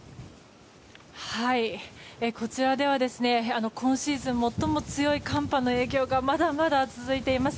こちらでは今シーズン最も強い寒波の影響がまだまだ続いています。